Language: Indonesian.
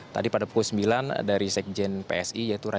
tadi pada pukul sembilan dari sekjen psi yaitu ratu